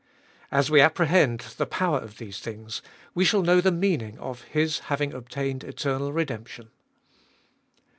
As we apprehend the power of these things, we shall know the meaning of His having obtained eternal redemption.